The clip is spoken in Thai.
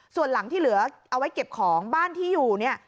ส่วนหลังที่เหลือเอาไว้เก็บของบ้านที่อยู่เนี่ย